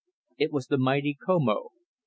It was the mighty Comoe.